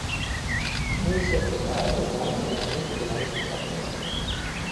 Не ўсе прэпараты можна набыць у беларускіх аптэках.